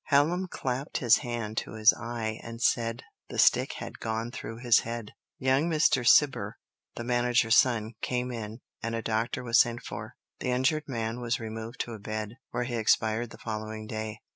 Hallam clapped his hand to his eye and said the stick had gone through his head. Young Mr. Cibber, the manager's son, came in, and a doctor was sent for; the injured man was removed to a bed, where he expired the following day.